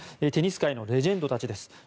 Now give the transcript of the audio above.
テニス界のレジェンドたちです。